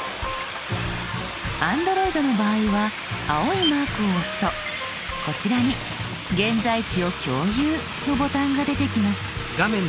Ａｎｄｒｏｉｄの場合は青いマークを押すとこちらに「現在地を共有」のボタンが出てきます。